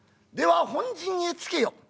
では本陣につけよ」。